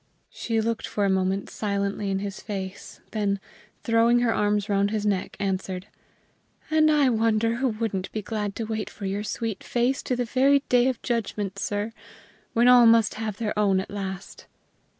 She looked for a moment silently in his face, then, throwing her arms round his neck, answered: "And I wonder who wouldn't be glad to wait for your sweet face to the very Day of Judgment, sir, when all must have their own at last."